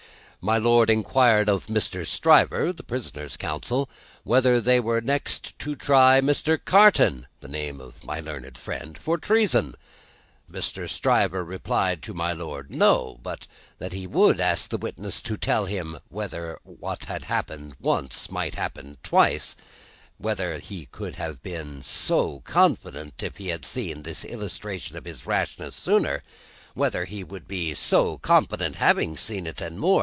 My Lord inquired of Mr. Stryver (the prisoner's counsel), whether they were next to try Mr. Carton (name of my learned friend) for treason? But, Mr. Stryver replied to my Lord, no; but he would ask the witness to tell him whether what happened once, might happen twice; whether he would have been so confident if he had seen this illustration of his rashness sooner, whether he would be so confident, having seen it; and more.